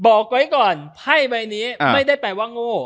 บอกไว้ก่อนไพ่ใบนี้ไม่ได้แปลว่าโง่